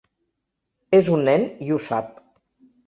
És un nen, i ho sap.